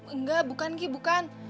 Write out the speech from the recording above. enggak bukan ki bukan